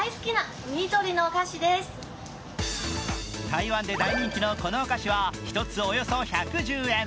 台湾で大人気のこのお菓子は１つおよそ１１０円。